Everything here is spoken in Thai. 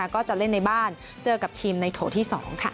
ก็จะเล่นในบ้านเจอกับทีมในโถที่๒